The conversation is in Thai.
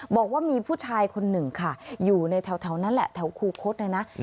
บอกว่ามีผู้ชายคนหนึ่งค่ะอยู่ในแถวนั้นแหละแถวคูคศเนี่ยนะ